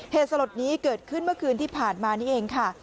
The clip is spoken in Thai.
สลดนี้เกิดขึ้นเมื่อคืนที่ผ่านมานี่เองค่ะ